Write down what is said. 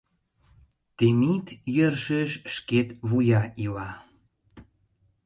Темит йӧршеш шкет вуя ила.